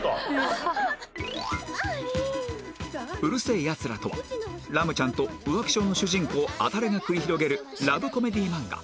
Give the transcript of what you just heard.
『うる星やつら』とはラムちゃんと浮気性の主人公あたるが繰り広げるラブコメディ漫画